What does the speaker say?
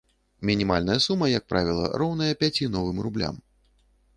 Мінімальная сума, як правіла, роўная пяці новым рублям.